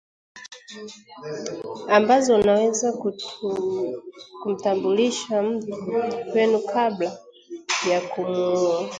ambazo unaweza kumtambulisha mtu kwenu kabla ya kumuoa